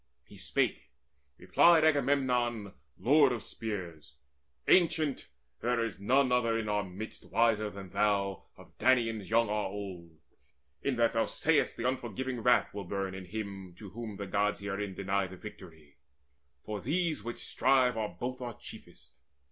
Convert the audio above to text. He spake: replied Agamemnon lord of spears: "Ancient, there is none other in our midst Wiser than thou, of Danaans young or old, In that thou say'st that unforgiving wrath Will burn in him to whom the Gods herein Deny the victory; for these which strive Are both our chiefest.